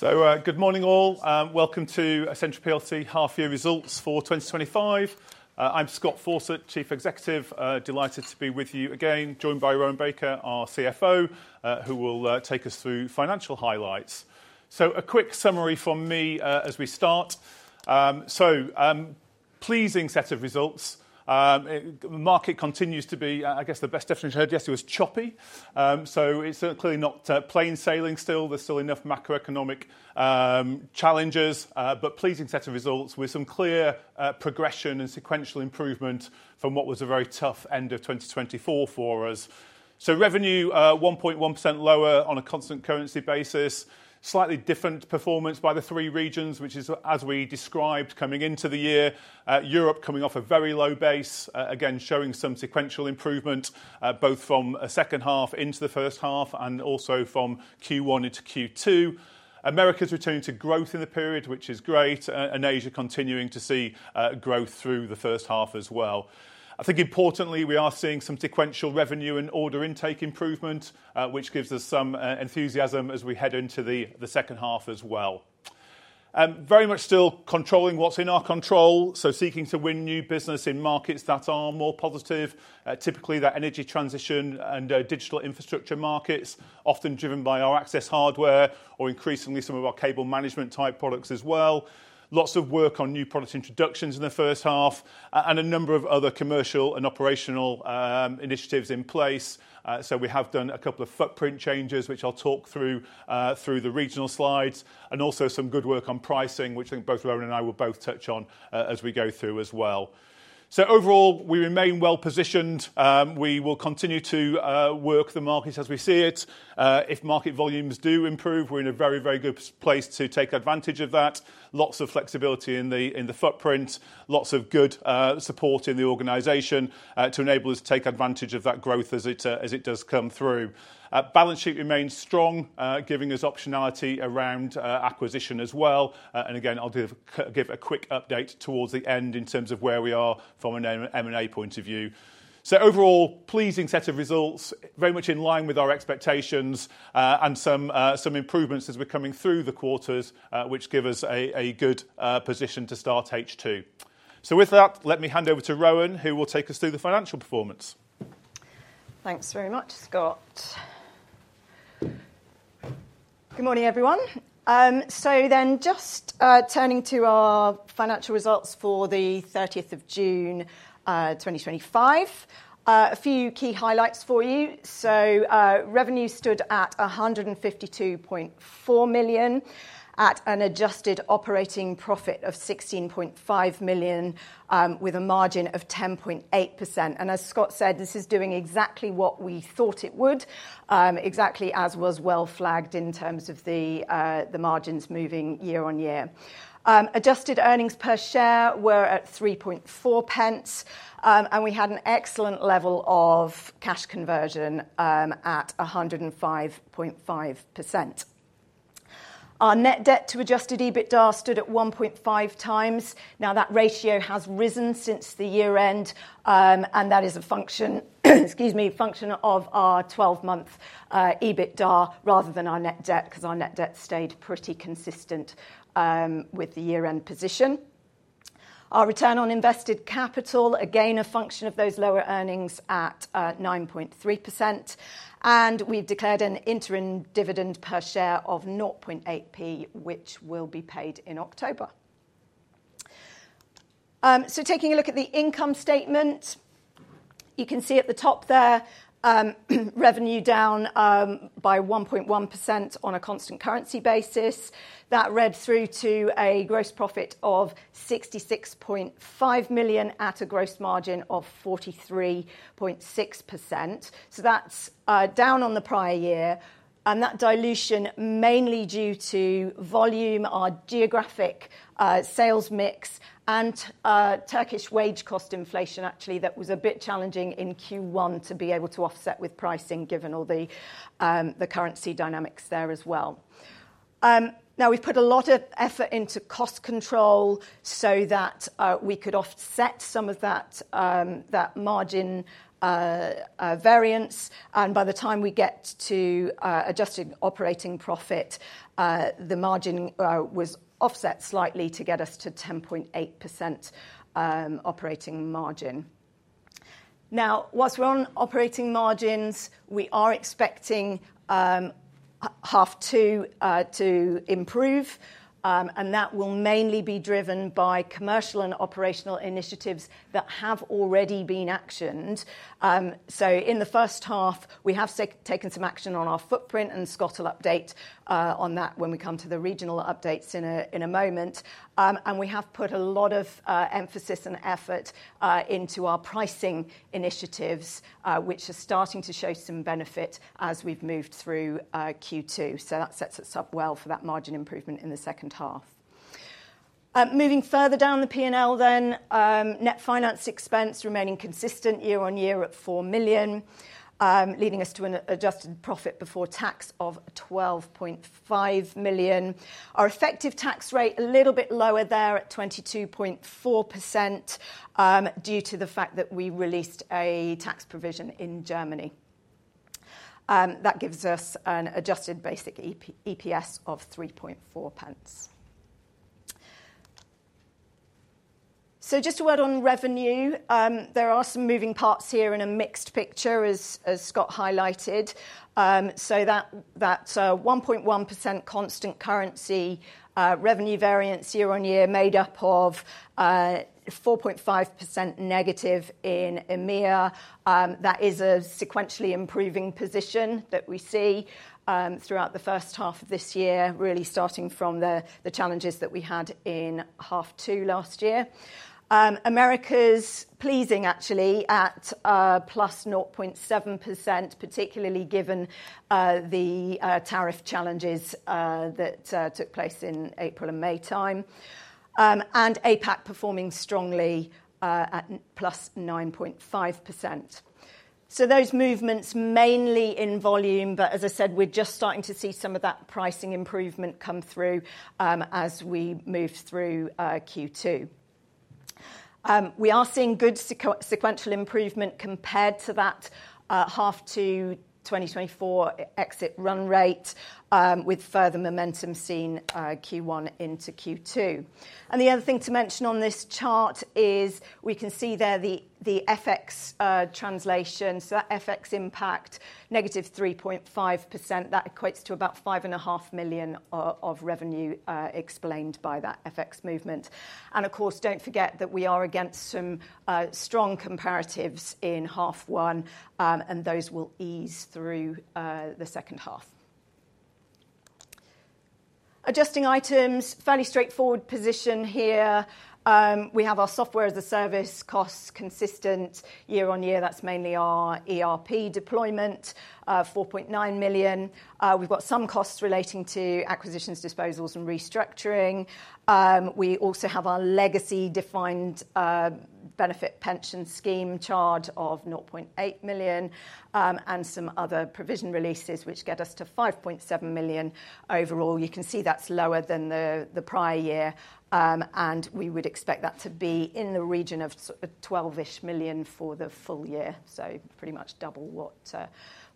Good morning all. Welcome to Essentra plc half year results for 2025. I'm Scott Fawcett, Chief Executive. Delighted to be with you again, joined by Rowan Baker, our CFO, who will take us through financial highlights. A quick summary from me as we start. Pleasing set of results. The market continues to be, I guess the best definition heard yesterday was choppy, so it's clearly not plain sailing. There's still enough macroeconomic challenges but pleasing set of results with some clear progression and sequential improvement from what was a very tough end of 2024 for us. Revenue 1.1% lower on a constant currency basis. Slightly different performance by the three regions, which is as we described coming into the year. Europe coming off a very low base, again showing some sequential improvement both from a second half into the first half and also from Q1 into Q2. Americas returning to growth in the period, which is great, and Asia continuing to see growth through the first half as well. I think importantly we are seeing some sequential revenue and order intake improvement, which gives us some enthusiasm as we head into the second half as well. Very much still controlling what's in our control, seeking to win new business in markets that are more positive, typically that energy transition and digital infrastructure markets, often driven by our access hardware or increasingly some of our cable management type products as well. Lots of work on new product introductions in the first half and a number of other commercial and operational initiatives in place. We have done a couple of footprint changes, which I'll talk through in the regional slides, and also some good work on pricing, which I think both Rowan and I will both touch on as we go through as well. Overall we remain well positioned. We will continue to work the market as we see it. If market volumes do improve, we're in a very, very good place to take advantage of that. Lots of flexibility in the footprint, lots of good support in the organ to enable us to take advantage of that growth as it does come through. Balance sheet remains strong, giving us optionality around acquisition as well. I'll give a quick update towards the end in terms of where we are from an M&A point of view. Overall pleasing set of results, very much in line with our expectations and some improvements as we're coming through the quarters, which give us a good position to start H2. With that, let me hand over to Rowan, who will take us through the financial performance. Thanks very much, Scott. Good morning, everyone. Just turning to our financial results for June 30th, 2025, a few key highlights for you. Revenue stood at 152.4 million and adjusted operating profit of 16.5 million with a margin of 10.8%. As Scott said, this is doing exactly what we thought it would, exactly as was well flagged in terms of the margins moving year on year. Adjusted earnings per share were at 0.34 and we had an excellent level of cash conversion at 105.5%. Our net debt to adjusted EBITDA stood at 1.5x. That ratio has risen since the year end and that is a function of our 12-month EBITDA rather than our net debt because our net debt stayed pretty consistent with the year end position. Our return on invested capital, again a function of those lower earnings, was at 9.3%. We've declared an interim dividend per share of 0.008, which will be paid in October. Taking a look at the income statement, you can see at the top there, revenue down by 1.1% on a constant currency basis. That read through to a gross profit of 66.5 million at a gross margin of 43.6%. That's down on the prior year and that dilution is mainly due to volume, our geographic sales mix, and Turkish wage cost inflation. Actually, that was a bit challenging in Q1 to be able to offset with pricing, given all the currency dynamics there as well. We've put a lot of effort into cost control so that we could offset some of that margin variance. By the time we get to adjusted operating profit, the margin was offset slightly to get us to a 10.8% operating margin. Whilst we're on operating margins, we are expecting H2 to improve and that will mainly be driven by commercial and operational initiatives that have already been actioned. In the first half, we have taken some action on our footprint and Scott will update on that when we come to the regional updates in a moment. We have put a lot of emphasis and effort into our pricing initiatives, which is starting to show some benefit as we've moved through Q2. That sets us up well for that margin improvement in the second half. Moving further down the P&L, net finance expense remained consistent year on year at 4 million, leading us to an adjusted profit before tax of 12.5 million. Our effective tax rate was a little bit lower there at 22.4% due to the fact that we released a tax provision in Germany. That gives us an adjusted basic EPS of 0. 34 pence. Just a word on revenue, there are some moving parts here in a mixed picture as Scott highlighted. That 1.1% constant currency revenue variance year on year is made up of 4.5% negative in EMEA. That is a sequentially improving position that we see throughout the first half of this year, really starting from the challenges that we had in half two last year. Americas is pleasing actually at +0.7%, particularly given the tariff challenges that took place in April and May. APAC performing strongly at +9.5%. Those movements are mainly in volume, but as I said we're just starting to see some of that pricing improvement come through. As we move through Q2 we are seeing good sequential improvement compared to that half two 2024 exit run rate with further momentum seen Q1 into Q2. The other thing to mention on this chart is we can see the FX translation, so FX impact -3.5%. That equates to about 5.5 million of revenue explained by that FX movement. Of course, don't forget that we are against some strong comparatives in half one and those will ease through the second half. Adjusting items, fairly straightforward position here. We have our software as a service costs consistent year on year. That's mainly our ERP deployment, 4.9 million. We've got some costs relating to acquisitions, disposals, and restructuring. We also have our legacy defined benefit pension scheme charge of 0.8 million and some other provision releases which get us to 5.7 million overall. You can see that's lower than the prior year and we would expect that to be in the region of 12 million-ish for the full year, so pretty much double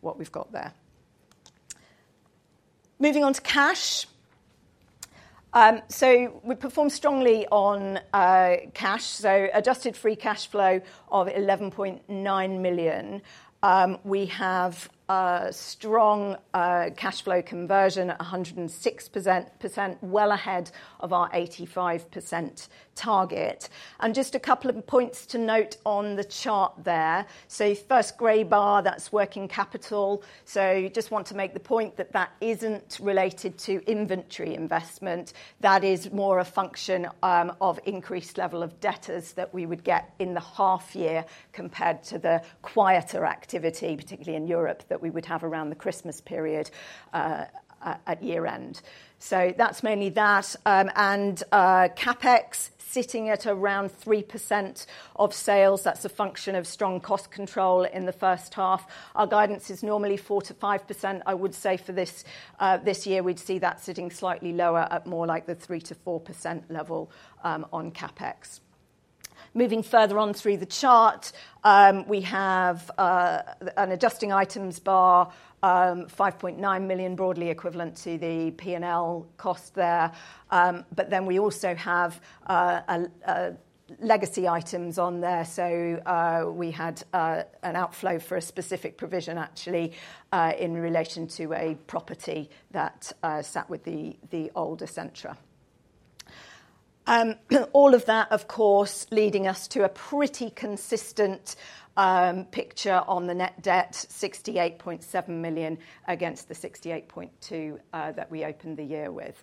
what we've got there. Moving on to cash, we perform strongly on cash. Adjusted free cash flow of 11.9 million, we have strong cash flow conversion, 106%, well ahead of our 85% target. Just a couple of points to note on the chart there. The first gray bar, that's working capital. I want to make the point that that isn't related to inventory investment. That is more a function of increased level of debtors that we would get in the half year compared to the quieter activity, particularly in Europe, that we would have around the Christmas period at year end. That's mainly that, and CapEx sitting at around 3% of sales. That's a function of strong cost control in the first half. Our guidance is normally 4%-5%. I would say for this year we'd see sitting slightly lower at more like the 3%-4% level on CapEx. Moving further on through the chart, we have an adjusting items bar 5.9 million, broadly equivalent to the P&L cost there, but then we also have legacy items on there. We had an outflow for a specific provision actually in relation to a property that sat with the old Essentra. All of that, of course, leading us to a pretty consistent picture on the net debt, 68.7 million against the 68.2 million that we opened the year with.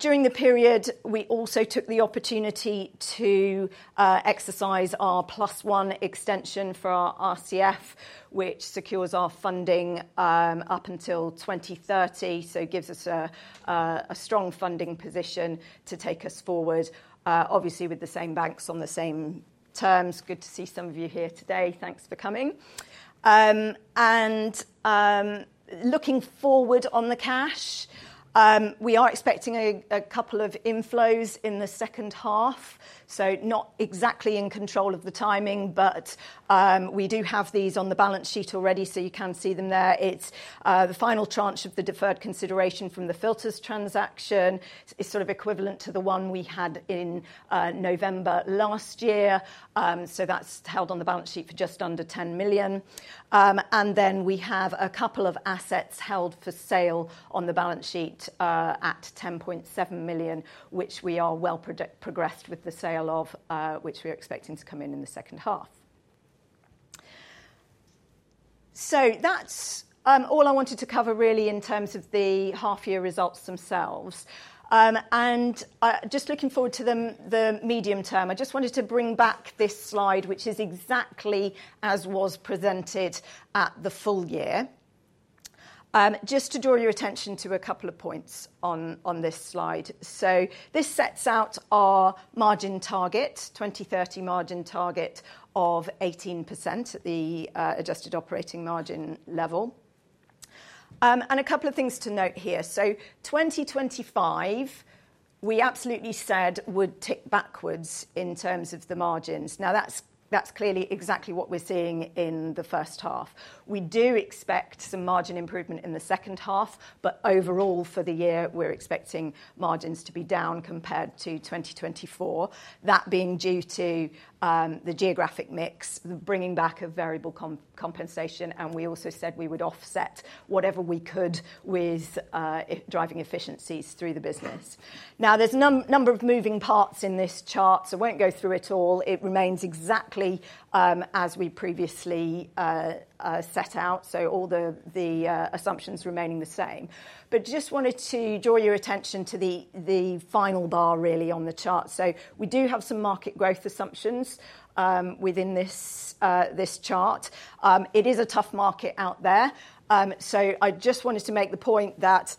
During the period, we also took the opportunity to exercise our +1 extension for our RCF, which secures our funding up until 2030. This gives us a strong funding position to take us forward, obviously with the same banks on the same terms. Good to see some of you here today. Thanks for coming and looking forward on the cash, we are expecting a couple of inflows in the second half. Not exactly in control of the timing, but we do have these on the balance sheet already, so you can see them there. It's the final tranche of the deferred consideration from the filters transaction, is sort of equivalent to the one we had in November last year. That's held on the balance sheet for just under 10 million, and then we have a couple of assets held for sale on the balance sheet at 10.7 million, which we are well progressed with the sale of, which we're expecting to come in in the second half. That's all I wanted to cover really in terms of the half year results themselves, and just looking forward to the medium term, I just wanted to bring back slide which is exactly as was presented at the full year just to draw your attention to a couple of points on this slide. This sets out our margin target, 2030 margin target of 18% at the adjusted operating margin level, and a couple of things to note here. 2025 we absolutely said would tick backwards in terms of the margins. Now that's, that's clearly exactly what we're seeing in the first half. We do expect some margin improvement in the second half, but overall for the year we're expecting margins to be down compared to 2024, that being due to the geographic mix, bringing back of variable compensation, and we also said we would offset whatever we could with driving efficiencies through the business. There's a number of moving parts in this chart, so won't go through it all. It remains exactly as we previously obviously set out, so all the assumptions remaining the same. I just wanted to draw your attention to the final bar really on the chart. We do have some market growth assumptions within this chart. It is a tough market out there. I just wanted to make the point that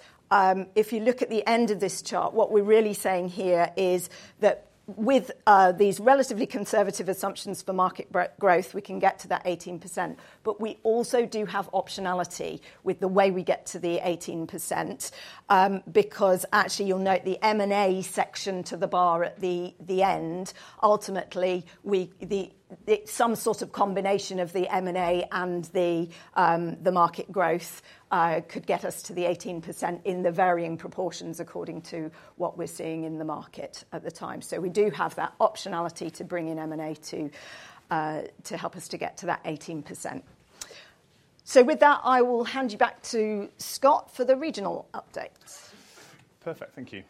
if you look at the end of this chart, what we're really saying here is that with these relatively conservative assumptions for market growth, we can get to that 18%, but we also have optionality with the way we get to the 18% because actually you'll note the M&A section to the bar at the end. Ultimately, some sort of combination of the M&A and the market growth could get us to the 18% in the varying proportions according to what we're seeing in the market at the time. We do have that optionality to bring in M&A to help us to get to that 18%. With that, I will hand you back to Scott for the regional updates. Perfect, thank you.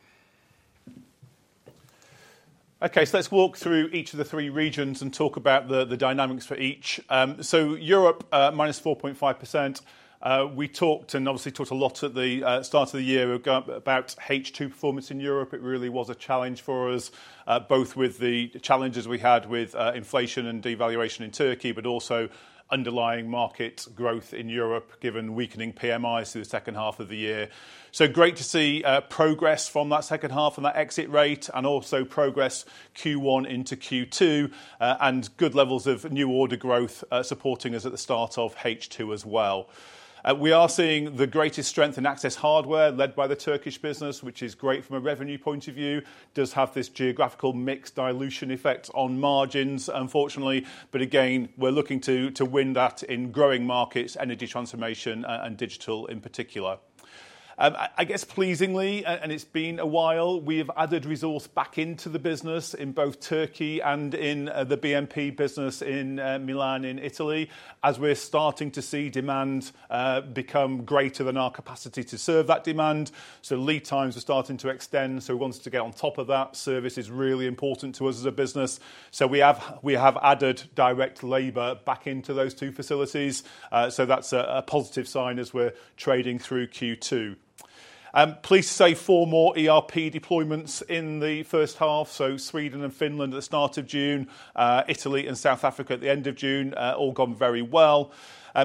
Okay, let's walk through each of the three regions and talk about the dynamics for each. Europe -4.5%. We talked and obviously talked a lot at the start of the year about H2 performance in Europe. It really was a challenge for us both with the challenges we had with inflation and devaluation in Turkey, but also underlying market growth in Europe given weakening PMIs through the second half of the year. Great to see progress from that second half and that exit rate and also progress Q1 into Q2 and good levels of new order growth supporting us at the start of H2 as well. We are seeing the greatest strength in access hardware led by the Turkish business, which is great from a revenue point of view and does have this geographical mix dilution effect on margins unfortunately. Again, we're looking to win that in growing markets. Energy transformation and digital in particular, I guess pleasingly, and it's been a while, we have added resource back into the business in both Turkey and in the BMP business in Milan in Italy as we're starting to see demand become greater than our capacity to serve that demand. Lead times are starting to extend. Once to get on top of that, service is really important to us as a business. We have added direct labor back into those two facilities. That's a positive sign as we're trading through Q2. Please say four more ERP deployments in the first half. Sweden and Finland at the start of June, Italy and South Africa at the end of June, all gone very well.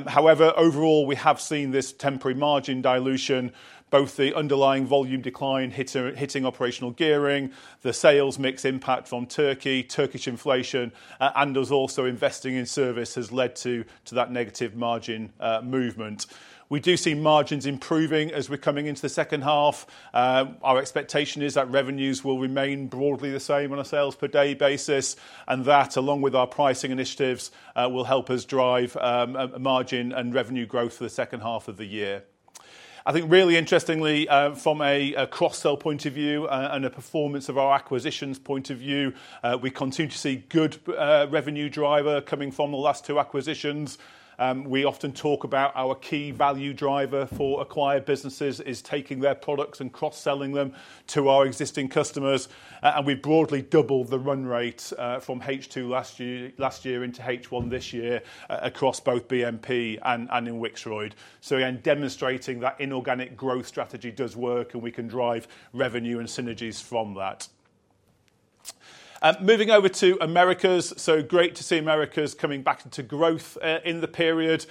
However, overall we have seen this temporary margin dilution. Both the underlying volume decline hitting operational gearing, the sales mix, impact from Turkey, Turkish inflation and also investing in service has led to that negative margin movement. We do see margins improving as we're coming into the second half. Our expectation is that revenues will remain broadly the same on a sales per day basis and that along with our pricing initiatives will help us drive margin and revenue growth for the second half of the year. I think really interestingly, from a cross-sell point of view and a performance of our acquisitions point of view, we continue to see good revenue driver coming from the last two acquisitions we often talk about. Our key value driver for acquired businesses is taking their products and cross-selling them to our existing customers. We broadly doubled the run rate from H2 last year into H1 this year across both BMP and in Wixroyd, again demonstrating that inorganic growth strategy does work and we can drive revenue and synergies from that. Moving over to Americas, great to see Americas coming back into growth in the period.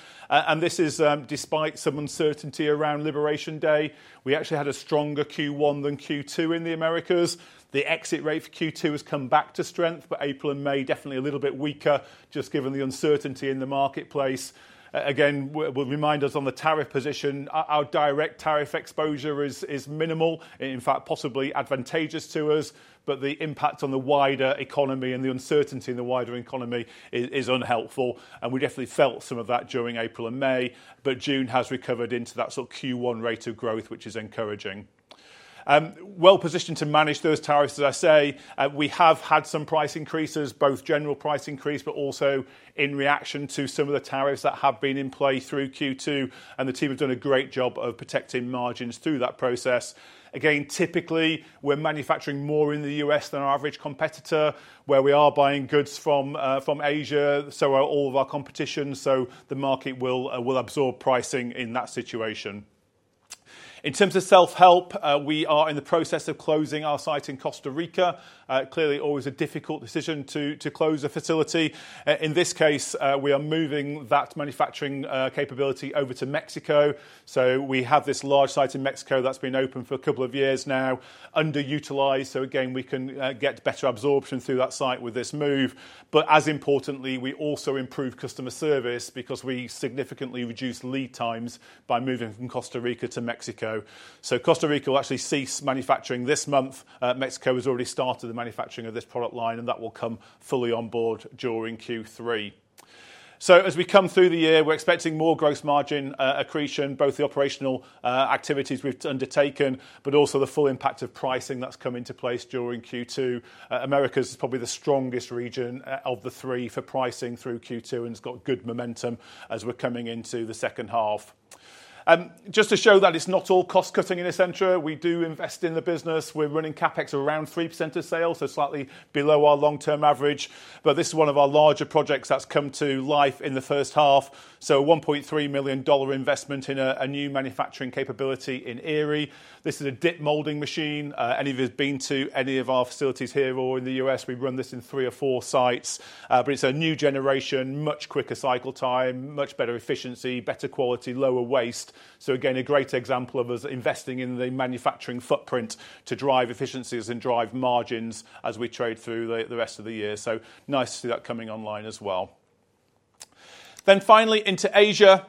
This is despite some uncertainty around Liberation Day; we actually had a stronger Q1 than Q2 in the Americas. The exit rate for Q2 has come back to strength, but April and May were definitely a little bit weaker just given the uncertainty in the marketplace. Again, will remind us on the tariff position. Our direct tariff exposure is minimal, in fact possibly advantageous to us. The impact on the wider economy and the uncertainty in the wider economy is unhelpful. We definitely felt some of that during April and maybe May, but June has recovered into that Q1 rate of growth, which is encouraging. We are positioned to manage those tariffs. We have had some price increases, both general price increase, but also in reaction to some of the tariffs that have been in play through Q2. The team have done a great job of protecting margins through that process. Typically, we're manufacturing more in the U.S. than our average competitor, where we are buying goods from Asia. All of our competition, so the market will absorb pricing in that situation. In terms of self help, we are in the process of closing our site in Costa Rica. Clearly always a difficult decision to close a facility. In this case, we are moving that manufacturing capability over to Mexico. We have this large site in Mexico that's been open for a couple of years now, underutilized. We can get better absorption through that site with this move. As importantly, we also improve customer service because we significantly reduce leakage lead times by moving from Costa Rica to Mexico. Costa Rica will actually cease manufacturing this month. Mexico has already started the manufacturing of this product line and that will come fully on board during Q3. As we come through the year, we're expecting more gross margin accretion, both the operational activities we've undertaken, but also the full impact of pricing that's come into place during Q2. Americas is probably the strongest region of the three for pricing through Q2 and has got good momentum as we're coming into the second half. Just to show that it's not all cost cutting in Essentra, we do invest in the business. We're running CapEx around 3% of sales, so slightly below our long-term average. This is one of our larger projects that's come to life in the first half. A $1.3 million investment in a new manufacturing capability in Erie. This is a dip molding machine. Any of you who have been to any of our facilities here or in the U.S., we run this in three or four sites, but it's a new generation, much quicker cycle time, much better efficiency, better quality, lower waste. A great example of us investing in the manufacturing footprint to drive efficiencies and drive margins as we trade through the rest of the year. Nice to see that coming online as well. Finally, into Asia.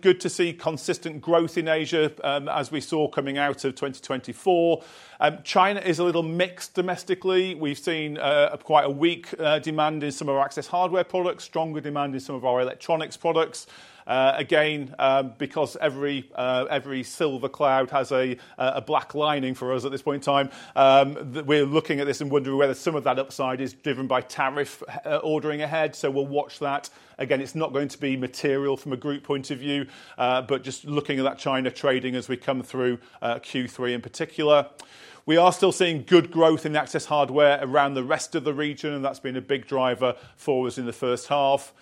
Good to see consistent growth in Asia. As we saw coming out of 2024, China is a little mixed domestically. We've seen quite a weak demand in some of our access hardware products, stronger demand in some of our electronics products. Every silver cloud has a black lining for us at this point in time. We're looking at this and wondering whether some of that upside is driven by tariff ordering ahead. We'll watch that. It's not going to be material from a group point of view, but just looking at that China trading as we come through Q3 in particular, we are still seeing good growth in access hardware around the rest of the region. That's been a big driver for us in the first half.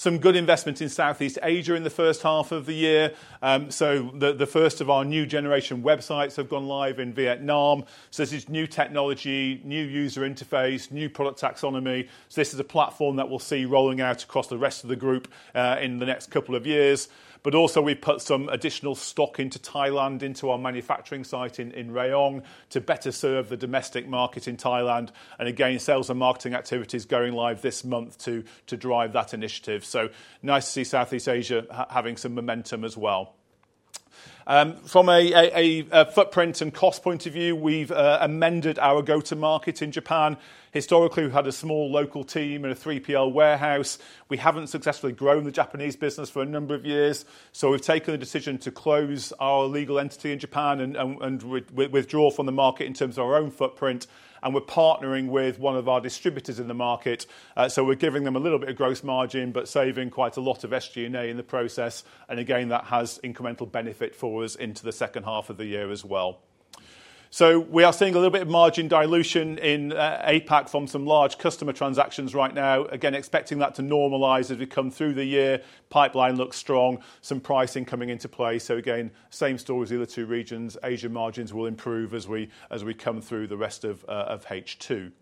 Some good investment in Southeast Asia in the first half of the year. The first of our new generation websites have gone live in Vietnam. This is new technology, new user interface, new product taxonomy. This is a platform that we'll see rolling out across the rest of the group in the next couple of years. We also put some additional stock into Thailand, into our manufacturing site in Rayong to better serve the domestic market in Thailand. Sales and marketing activities going live this month to drive that initiative. Nice to see Southeast Asia having some momentum as well. From a footprint and cost point of view, we've amended our go-to-market in Japan. Historically, we had a small local team and a 3PL warehouse. We haven't successfully grown the Japanese business for a number of years. We've taken the decision to close our legal entity in Japan and withdraw from the market in terms of our own footprint. We're partnering with one of our distributors in the market. We're giving them a little bit of gross margin but saving quite a lot of SG&A in the process. That has incremental benefit for us into the second half of the year as well. We are seeing a little bit of margin dilution in APAC from some large customer transactions right now, expecting that to normalize as we come through the year. Pipeline looks strong, some pricing coming into play. Same story as the other two regions. Asia margins will improve as we come through the rest of H2.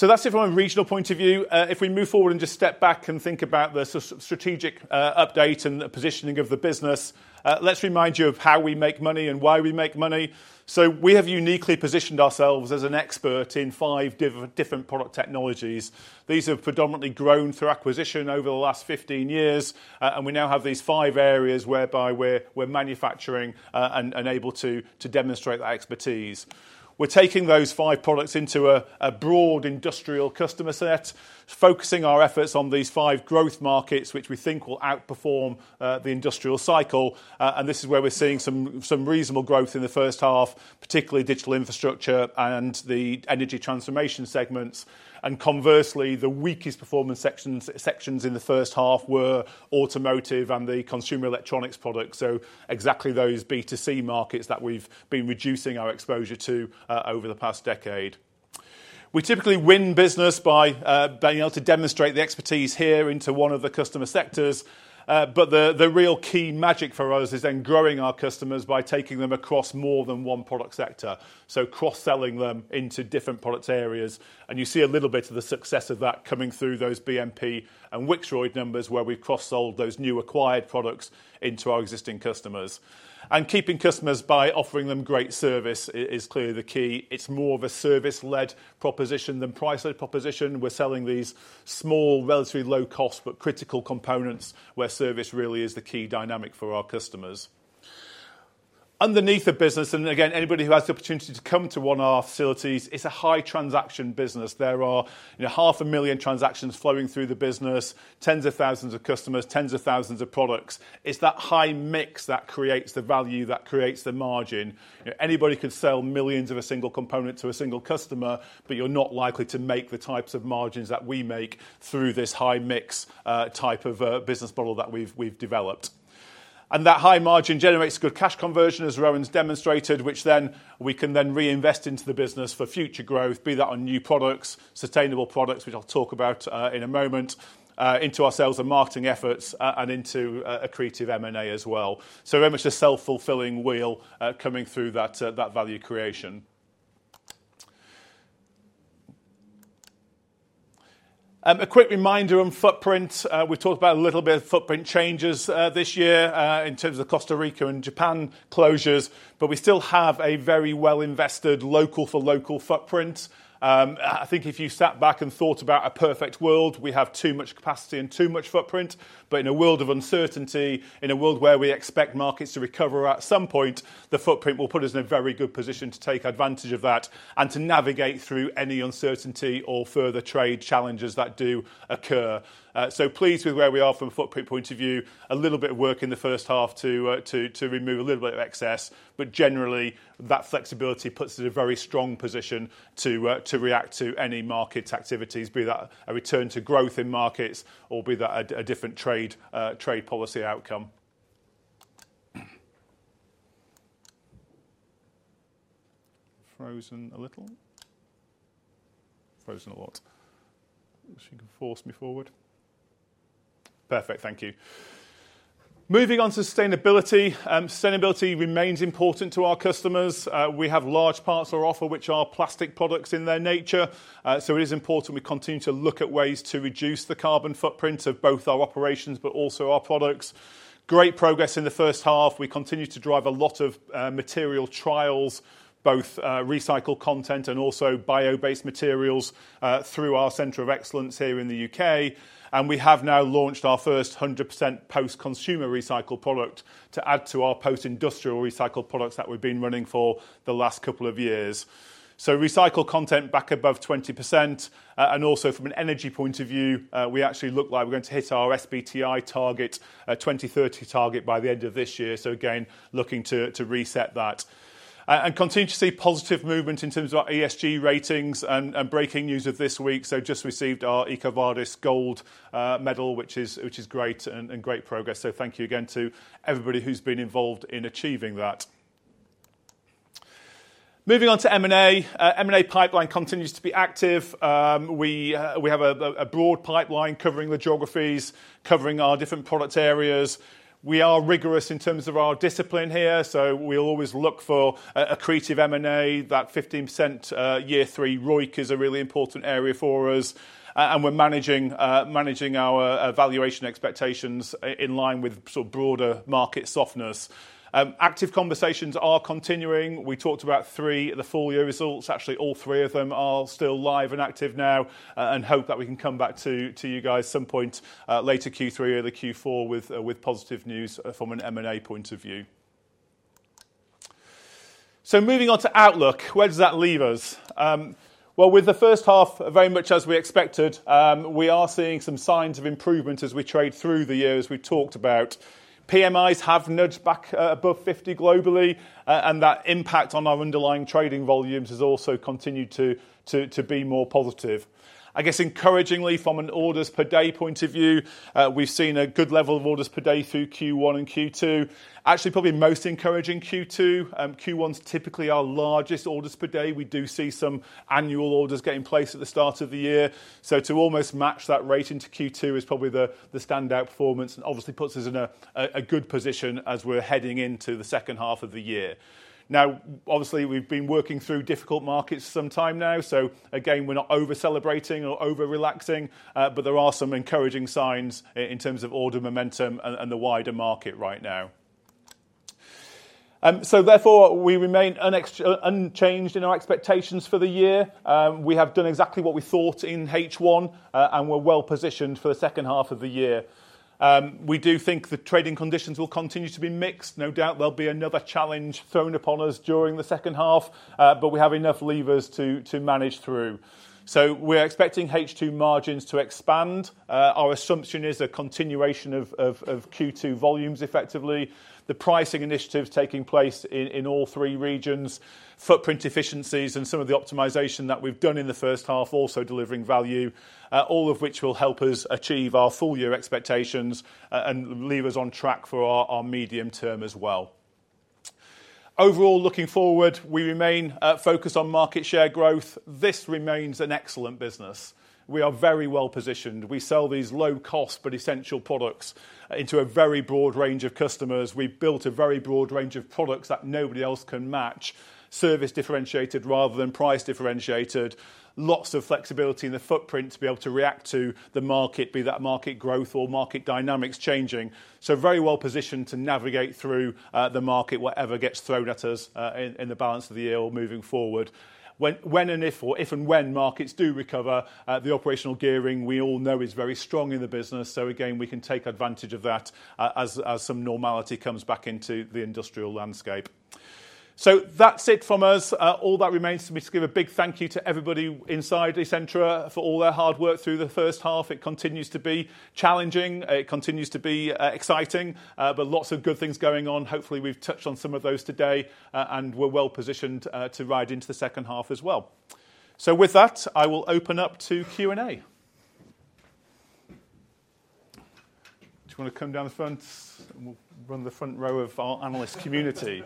That's it from a regional point of view. If we move forward and just step back and think about the strategic update and positioning of the business, let's remind you of how we make money and why we make money. We have uniquely positioned ourselves as an expert in five different product technologies. These have predominantly grown through acquisition over the last 15 years and we now have these five areas whereby we're manufacturing and able to demonstrate that expertise. We're taking those five products into a broad industrial customer set, focusing our efforts on these five growth markets which we think will outperform the industrial cycle. This is where we're seeing some reasonable growth in the first half, particularly digital infrastructure and the energy transition segments. Conversely, the weakest performance sections in the first half were automotive and the consumer electronics products. Exactly those B2C markets that we've been reducing our exposure to over the past decade. We typically win business by being able to demonstrate the expertise here into one of the customer sectors. The real key magic for us is then growing our customers by taking them across more than one product sector, cross-selling them into different product areas. You see a little bit of the success of that coming through those BMP and Wixroyd numbers where we cross-sold those newly acquired products into our existing customers. Keeping customers by offering them great service is clearly the key. It's more of a service-led proposition than price-led proposition. We're selling these small, relatively low cost but critical components where service really is the key dynamic for our customers underneath the business. Anybody who has the opportunity to come to one of our facilities, it's a high transaction business. There are half a million transactions flowing through the business. Tens of thousands of customers, tens of thousands of products. It's that high mix that creates the value, that creates the margin. Anybody could sell millions of a single component to a single customer, but you're not likely to make the types of margins that we make through this high mix type of business model that we've developed. That high margin generates good cash conversion, as Rowan's demonstrated, which we can then reinvest into the business for future growth, be that on new products, sustainable products, which I'll talk about in a moment, into our sales and marketing efforts, and into accretive M&A as well. Very much a self-fulfilling wheel coming through that value creation. A quick reminder on footprint. We've talked about a little bit of footprint changes this year in terms of Costa Rica and Japan closures, but we still have a very well-invested local-for-local footprint. I think if you sat back and thought about a perfect world, we have too much capacity and too much footprint, but in a world of uncertainty, in a world where we expect markets to recover at some point, the footprint will put us in a very good position to take advantage of that and to navigate through any uncertainty or further trade challenges that do occur. Pleased with where we are from a footprint point of view, a little bit of work in the first half to remove a little bit of excellent success, but generally that flexibility puts us in a very strong position to react to any market activities, be that a return to growth in markets or be that a different trade policy outcome. Frozen a little, frozen a lot. She can force me forward. Perfect. Thank you. Moving on to sustainability. Sustainability remains important to our customers. We have large parts on offer which are plastic products in their nature, so it is important we continue to look at ways to reduce the carbon footprint of both our operations, but also our products. Great progress in the first half. We continue to drive a lot of material trials, both recycled content and also bio-based materials through our center of excellence here in the U.K. We have now launched our first 100% post-consumer recycled product to add to our post-industrial recycled products that we've been running for the last couple of years. So recycled content back above 20% and also from an energy point of view, we actually look like we're going to hit our SBTI 2030 target by the end of this year. Again, looking to reset that and continue to see positive movement in terms of our ESG ratings and breaking news of this week. Just received our EcoVadis gold medal, which is great and great progress. Thank you again to everybody who's been involved in achieving that. Moving on to M&A, the M&A pipeline continues to be active. We have a broad pipeline covering the geographies, covering our different product areas. We are rigorous in terms of our discipline here, so we always look for accretive M&A. That 15% year three ROIC is a really important area for us, and we're managing our valuation expectations in line with broader market softness. Active conversations are continuing. We talked about three at the full year results. Actually, all three of them are still live and active now, and hope that we can come back to you guys at some point later, Q3 or Q4, with positive news from an M&A point of view. Moving on to outlook, where does that leave us? With the first half very much as we expected, we are seeing some signs of improvement as we trade through the year. As we've talked about, PMIs have nudged back above 50 globally, and that impact on our underlying trading volumes has also continued to be more positive. I guess encouragingly, from an orders per day point of view, we've seen a good level of orders per day through Q1 and Q2. Actually, probably most encouraging, Q2—Q1's typically our largest orders per day. We do see some annual orders getting placed at the start of the year. To almost match that rate into Q2 is probably the standout performance and obviously puts us in a good position as we're heading into the second half of the year. Obviously, we've been working through difficult markets for some time now, so we're not over celebrating or over relaxing, but there are some encouraging signs in terms of order momentum and the wider market right now. Therefore, we remain unchanged in our expectations for the year. We have done exactly what we thought in H1, and we're well positioned for the second half of the year. We do think the trading conditions will continue to be mixed. No doubt there'll be another challenge thrown upon us during the second half, but we have enough levers to manage through. We're expecting H2 margins to expand. Our assumption is a continuation of Q2 volumes. Effectively, the pricing initiatives taking place in all three regions, footprint efficiencies, and some of the optimization that we've done in the first half are also delivering value, all of which will help us achieve our full year expectations and leave us on track for our medium term as well. Overall, looking forward, we remain focused on market share growth. This remains an excellent business. We are very well positioned. We sell these low cost but essential products into a very broad range of customers. We've built a very broad range of products that nobody else can match. Service differentiated rather than price differentiated. Lots of flexibility in the footprint to be able to react to the market, be that market growth or market dynamics changing. Very well positioned to navigate through the market, whatever gets thrown at us in the balance of the year or moving forward if and when markets do recover. The operational gearing we all know is very strong in the business. We can take advantage of that as some normality comes back into the industrial landscape. That's it from us. All that remains is for me to give a big thank you to everybody inside Essentra for all their hard work through the first half. It continues to be challenging, it continues to be exciting, but lots of good things going on. Hopefully we've touched on some of those today and we're well positioned to ride into the second half as well. With that, I will open up to Q &A. Do you want to come down the front and we'll run the front row of our analyst community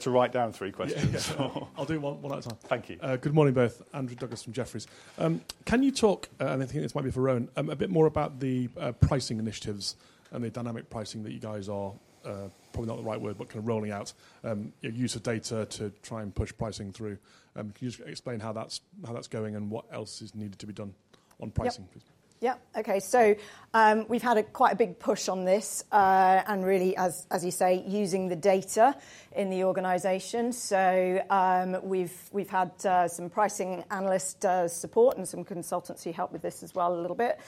to write down three questions. I'll do one at a time. Thank you. Good morning both. Andrew Douglas from Jeffries. Can you talk, and I think this might be for Rowan, a bit more about the pricing initiatives and the dynamic pricing that you guys are probably not the right word, but kind of rolling out use of data to try and push pricing through. Can you just explain how that's going and what else is needed to be done on pricing, please? Yeah. Okay. We've had quite a big push on this and really, as you say, using the data in the organization. We've had some pricing analyst support and some consultancy help with this as well a little bit.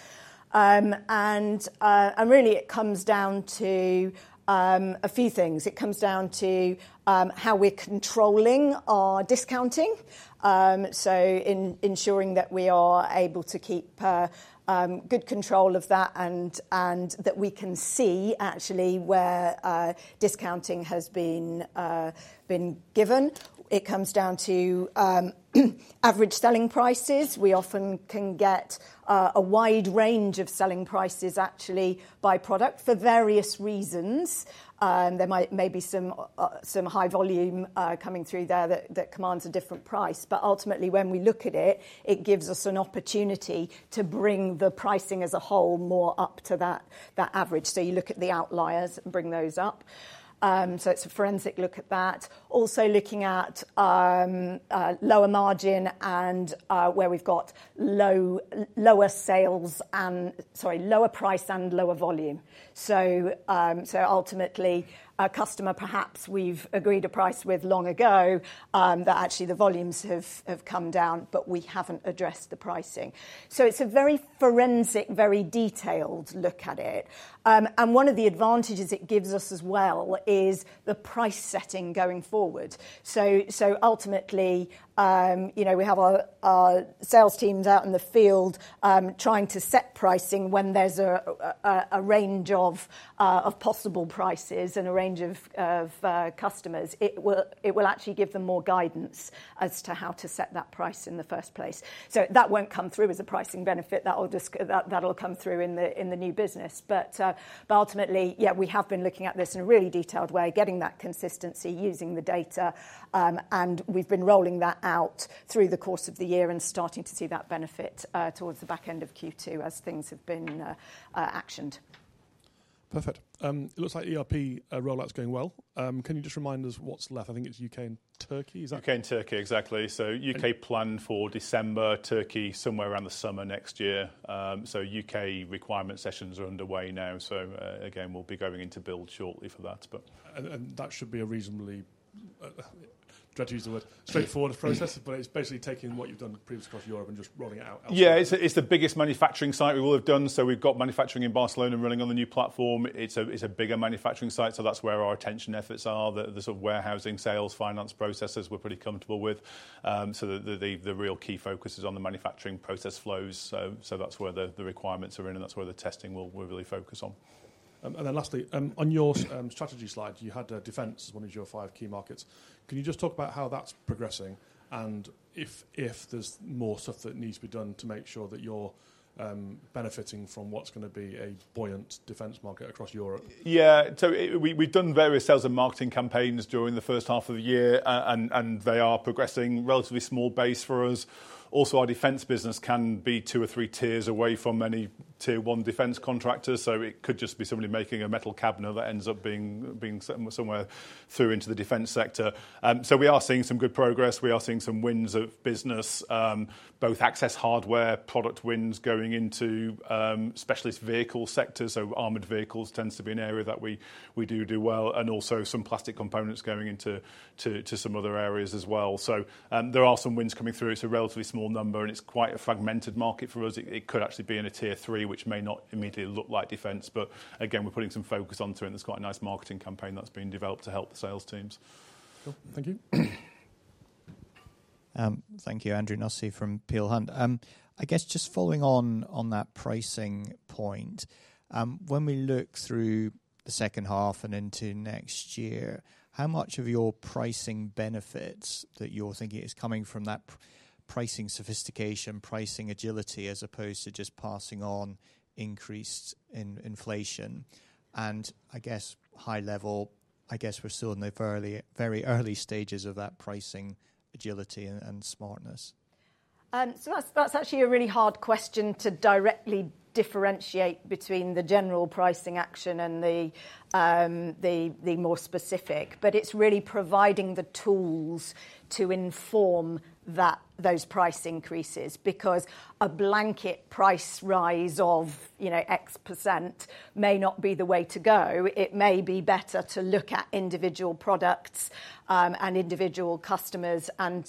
It comes down to a few things. It comes down to how we're controlling our discounting, ensuring that we are able to keep good control of that and that we can see actually where discounting has been given. It comes down to average selling prices. We often can get a wide range of selling prices actually by product for various reasons. There may be some high volume coming through there that commands a different price. Ultimately, when we look at it, it gives us an opportunity to bring the pricing as a whole more up to that average. You look at the outliers, bring those up. It's a forensic look at that, also looking at lower margin and where we've got lower price and lower volume. Ultimately, a customer perhaps we've agreed a price with long ago that actually the volumes have come down but we haven't addressed the pricing. It's a very forensic, very detailed look at it and one of the advantages it gives us as well is the price setting going forward. Ultimately, you know, we have our sales teams out in the field trying to set pricing. When there's a range of possible prices and a range of customers, it will actually give them more guidance as to how to set that price in the first place. That won't come through as a pricing benefit. That'll come through in the new business. Ultimately, yeah, we have been looking at this in a really detailed way, getting that consistency using the data and we've been rolling that out through the course of the year and starting to see that benefit towards the back end of Q2 as things have been actioned. Perfect. It looks like ERP rollout's going well. Can you just remind us what's left? I think it's U.K. and Turkey. Okay, and Turkey, exactly. U.K. planned for December, Turkey somewhere around the summer next year. U.K. requirement sessions are underway now. We'll be going into build shortly for that. That should be a reasonably, try to use the word straightforward process, but it's basically taking what you've done previous across Europe and just rolling it out elsewehere? It's the biggest manufacturing site we will have done. We've got manufacturing in Barcelona running on the new platform. It's a bigger manufacturing site. That's where our attention efforts are. The warehousing, sales, finance processes we're pretty comfortable with. The real key focus is on the manufacturing process flows. That's where the requirements are in and that's where the testing we're really focused on. Lastly, on your strategy slide, you had defense as one of your five key markets. Can you just talk about how that's progressing and if there's more stuff that needs to be done to make sure that you're benefiting from what's going to be a buoyant defense market across Europe? We've done various sales and marketing campaigns during the first half of the year and they are progressing. Relatively small base for us. Also, our defense business can be two or three tiers away from many tier one defense contractors. It could just be somebody making a metal cabinet that ends up being somewhere through into the defense sector. We are seeing some good progress, we are seeing some wins of business. Both access hardware product wins going into specialist vehicle sectors. Armored vehicles tends to be an area that we do do well, and also some plastic components going into some other areas as well. There are some wins coming through. It's a relatively small number and it's quite a fragmented market for us. It could actually be in a tier 3, which may not immediately look like defense, but we're putting some focus onto it and there's quite a nice marketing campaign that's been developed to help the sales teams. Thank you. Thank you. Andrew Nussey from Peel Hunt. Just following on that pricing point, when we look through the second half and into next year, how much of your pricing benefits that you're thinking is coming from that pricing sophistication, pricing agility as opposed to just passing on increased inflation? I guess high level, we're still in the very early stages of that pricing agility and smartness. That's actually a really hard question to directly differentiate between the general pricing action and the more specific. It's really providing the tools to inform those price increases, because a blanket price rise of x% may not be the way to go. It may be better to look at individual products and individual customers and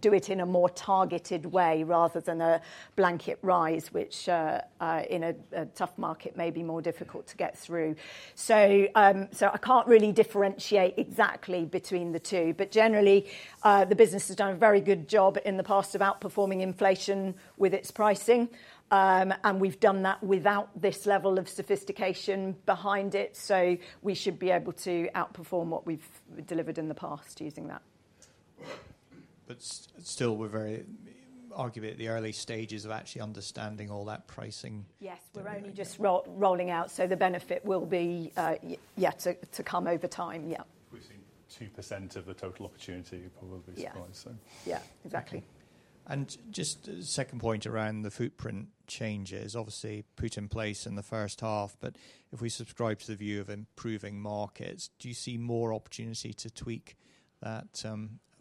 do it in a more targeted way, rather than a blanket rise, which in a tough market may be more difficult to get through. I can't really differentiate exactly between the two, but generally the business has done a very good job in the past of outperforming inflation with its pricing, and we've done that without this level of sophistication behind it. We should be able to outperform what we've delivered in the past using that. We are very arguably at the early stages of actually understanding all that pricing. Yes, we're only just rolling out, so the benefit will be yet to come over time. Yeah, we've seen 2% of the total opportunity. You're probably surprised. Yeah, exactly. The second point around the footprint changes obviously put in place in the first half, if we subscribe to the view of improving markets, do you see more opportunity to tweak that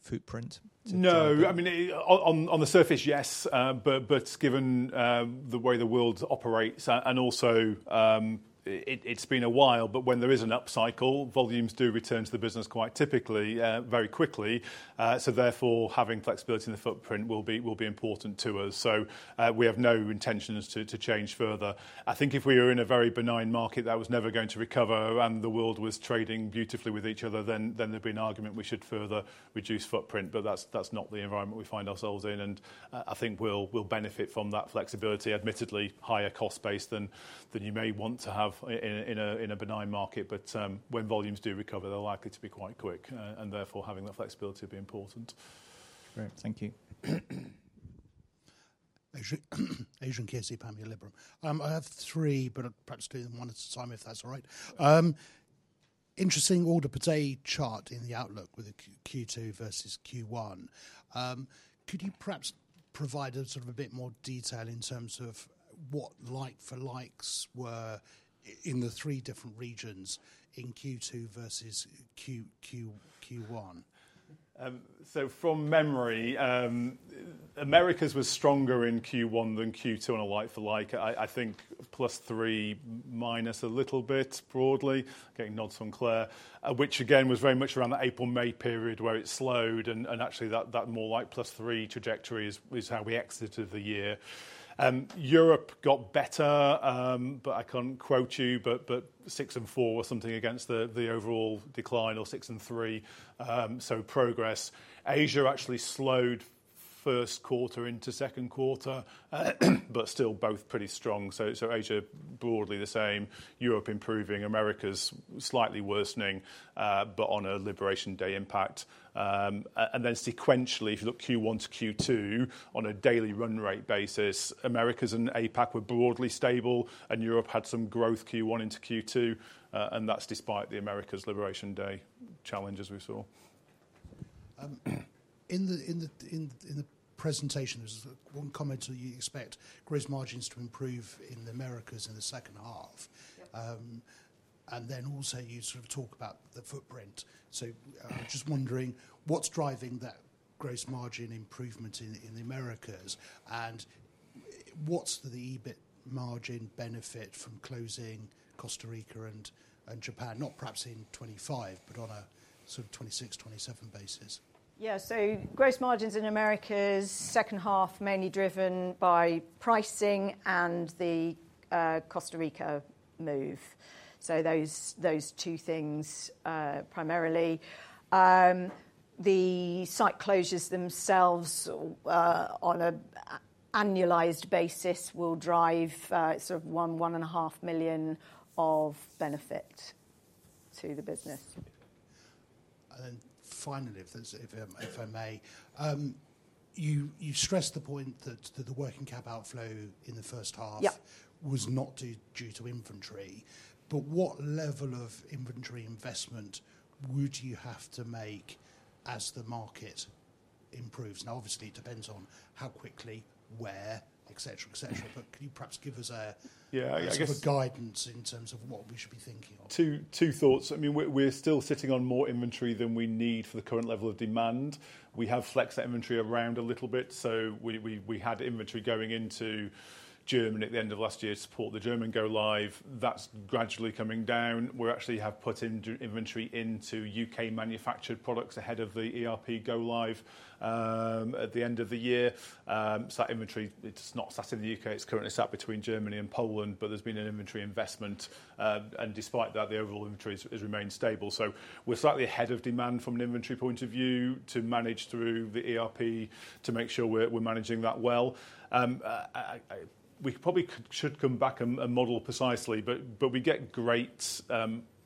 footprint? No. I mean, on the surface, yes, but given the way the world operates, and also it's been a while, when there is an upcycle, volumes do return to the business quite typically very quickly. Therefore, having flexibility in the footprint will be important to us. We have no intentions to change further. I think if we were in a very benign market that was never going to recover and the world was trading beautifully with each other, then there'd be an argument we should further reduce footprint. That's not the environment we find ourselves in and I think we'll benefit from that flexibility. Admittedly, higher cost base than you may want to have in a benign market, but when volumes do recover, they're likely to be quite quick and therefore having that flexibility would be important. Great, thank you. Adrian Kearsey from Pammul Liberum. I have three, but perhaps do them one at a time, if that's all right. Interesting order per day chart in the outlook with Q2 versus Q1. Could you perhaps provide a bit more detail in terms of what like for likes were in the three different regions in Q2 versus Q1. From memory, Americas was stronger in Q1 than Q2 and a like for like I think ±3% a little bit, broadly getting nods from Claire, which again was very much around the April May period where it slowed, and actually that more like +3 trajectory is how we exited the year. Europe got better. I can't quote you but 6% and 4% or something against the overall decline or 6% and 3%. Progress. Asia actually slowed first quarter into second quarter, but still both pretty strong. Asia broadly the same, Europe improving, Americas slightly worsening, but on a Liberation Day impact. Sequentially, if you look Q1 to Q2 on a daily run rate basis, Americas and APAC were broadly stable and Europe had some growth Q1 into Q2. That's despite the Americas Liberation Day challenge, as we saw. In the presentation, there's one comment that you expect gross margins to improve in the Americas in the second half, and then also you sort of talk about the footprint. Just wondering what's driving that gross margin improvement in the Americas, and what's the EBIT margin benefit from closing Costa Rica and Japan, not perhaps in 2025, but on a sort of 2026, 2027 basis. Gross margins in Americas second half mainly driven by pricing and the cost of recovery, weaker move. Those two things, primarily the site closures themselves on an annualized basis, will drive sort of $1.5 million of benefit to the business. Finally, you stressed the point that the working cap outflow in the first half was not due to inventory. What level of inventory investment would you have to make as the market improves? Obviously, it depends on how quickly, where, et cetera, but can you perhaps give us guidance in terms of what we should be thinking? Two thoughts. We're still sitting on more inventory than we need for the current level of demand. We have flexed that inventory around a little bit. We had inventory going into Germany at the end of last year to support the German go live. That's gradually coming down. We actually have put in inventory into U.K. manufactured products ahead of the ERP go live at the end of the year. That inventory, it's not sat in the U.K., it's currently sat between Germany and Poland. There's been an inventory investment and despite that, the overall inventory has remained stable. We're slightly ahead of demand from an inventory point of view to manage through the ERP. To make sure we're managing that well, we probably should come back and model precisely. We get great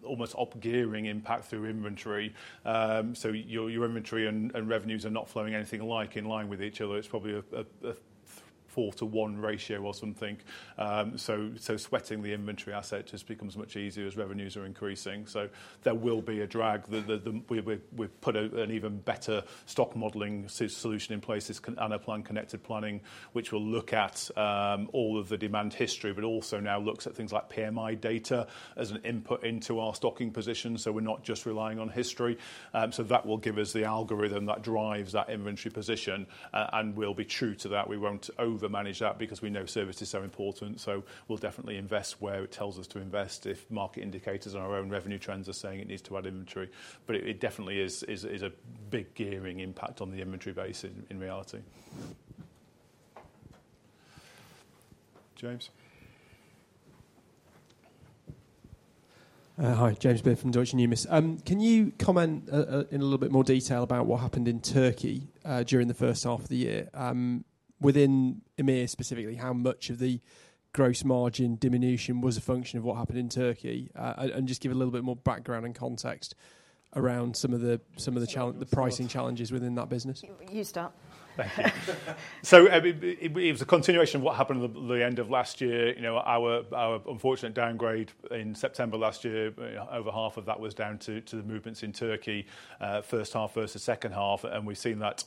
almost up gearing impact through inventory. Your inventory and revenues are not flowing anything alike in line with each other. It's probably a 4:1 ratio or something. Sweating the inventory asset just becomes much easier as revenues are increasing. There will be a drag. We've put an even better stock modeling solution in place, it's Anaplan Connected Planning, which will look at all of the demand history but also now looks at things like PMI data as an input into our stocking position. We're not just relying on history. That will give us the algorithm that drives that inventory position and we'll be true to that. We won't over manage that because we know service is so important. We'll definitely invest where it tells us to invest if market indicators on our own revenue trends are saying it needs to add inventory, but it definitely is a big gearing impact on the inventory base in reality. James. Hi, James Beard from Deutsche Numis, can you comment in a little bit more detail about what happened in Turkey during the first half of the year within EMEA? Specifically, how much of the gross margin diminution was a function of what happened in Turkey and just give a little bit more background and context around some of the pricing challenges within that business. You start. It was a continuation of what happened at the end of last year, our unfortunate downgrade in September last year. Over half of that was down to the movements in Turkey first half versus second half. We've seen that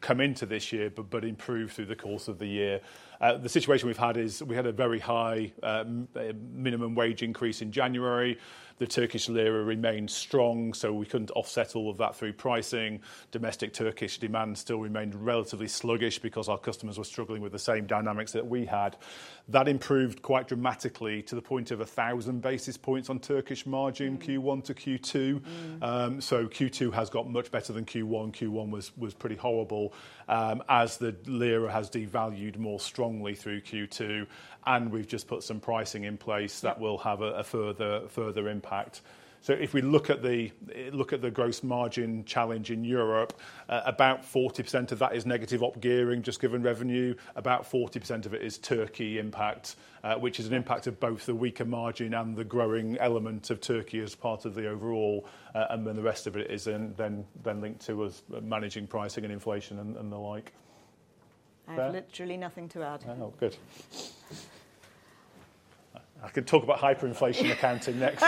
come into this year but improve through the course of the year. The situation we've had is we had a very high minimum wage increase in January. The Turkish lira remained strong, so we couldn't offset all of that through pricing. Domestic Turkish demand still remained relatively sluggish because our customers were struggling with the same dynamics that we had that improved quite dramatically to the point of 1,000 basis points on Turkish margin Q1 to Q2. Q2 has got much better than Q1. Q1 was pretty horrible as the lira has devalued more strongly through Q2, and we've just put some pricing in place that will have a further impact. If we look at the gross margin challenge in Europe, about 40% of that is negative up gearing just given revenue. About 40% of it is Turkey impact, which is an impact of both the weaker margin and the growing element of Turkey as part of the overall, and then the rest of it isn't then linked to us managing pricing and inflation and the like. I have literally nothing to add. Oh, good. I could talk about hyperinflation accounting next.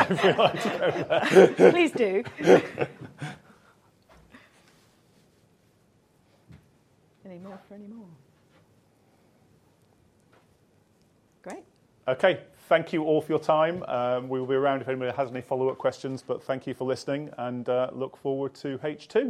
Please do any more for any more. Great. Okay, thank you all for your time. We will be around if anybody has any follow-up questions, but thank you for listening and look forward to H2.